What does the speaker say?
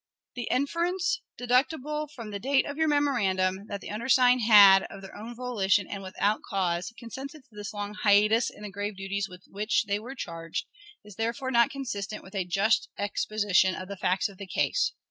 The inference deducible from the date of your memorandum, that the undersigned had, of their own volition and without cause, consented to this long hiatus in the grave duties with which they were charged, is therefore not consistent with a just exposition of the facts of the case.